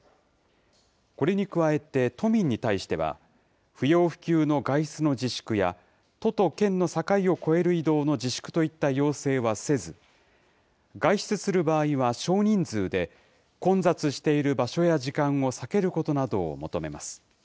これに加えて、都民に対しては、不要不急の外出の自粛や、都と県の境を越える移動の自粛といった要請はせず、外出する場合は少人数で、混雑している場所や時間を避けることなどを求めます。